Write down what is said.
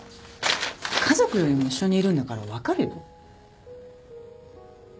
家族よりも一緒にいるんだから分かるよ。